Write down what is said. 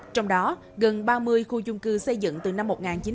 trong đó gần ba mươi khu chung cư xây dựng từ năm một nghìn chín trăm bảy mươi năm